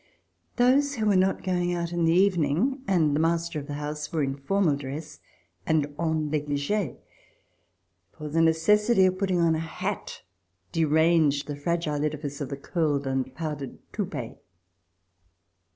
Those who were not going out in the even ing, and the master of the house, were in formal dress and en neglige, for the necessity of putting on a hat deranged the fragile edifice of the curled and powdered toupet.